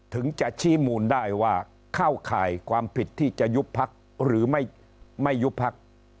ถึงจะชี้มูลได้ว่าเข้าข่ายความผิดที่จะยุบพักหรือไม่ยุบพัก